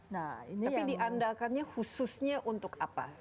tapi diandalkannya khususnya untuk apa